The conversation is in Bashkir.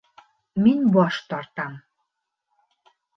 Мин баш тартам